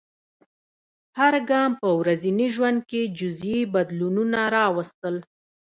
هر ګام په ورځني ژوند کې جزیي بدلونونه راوستل.